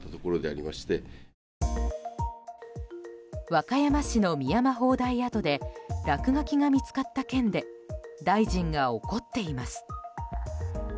和歌山市の深山砲台跡で落書きが見つかった件で大臣が怒っています。